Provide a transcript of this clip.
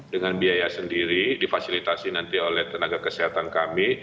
dengan biaya sendiri difasilitasi nanti oleh tenaga kesehatan kami